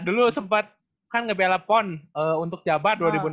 dulu sempat kan ngebela pon untuk jabar dua ribu enam belas